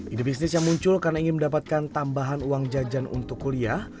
ide bisnis yang muncul karena ingin mendapatkan tambahan uang jajan untuk kuliah